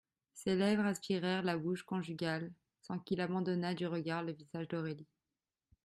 Ses lèvres aspirèrent la bouche conjugale, sans qu'il abandonnât du regard le visage d'Aurélie.